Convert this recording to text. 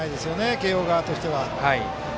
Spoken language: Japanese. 慶応側としては。